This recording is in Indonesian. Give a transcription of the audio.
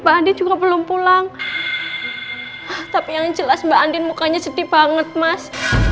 mbak andi juga belum pulang tapi yang jelas mbak andin mukanya sedih banget mas